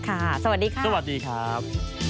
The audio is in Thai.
ค่ะสวัสดีครับ